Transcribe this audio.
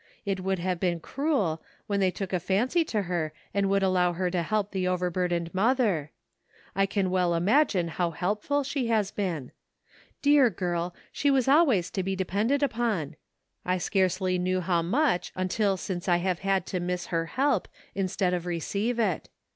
It would have been cruel, when they took a fancy to her and would allow her to help the over burdened mother ; I can well imagine how helpful she has been. Dear girl, she was always to be depended upon ; I scarcely knew TAKING CARE OF BUBBY. DABK DAYS. 157 how much until since I have had to miss her help instead of receive it.